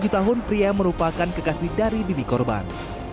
tujuh tahun pria merupakan kekasih dari bibi korban